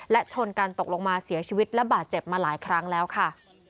และชนกันตกลงมาเสียชีวิตและบาดเจ็บมาหลายครั้งแล้วค่ะ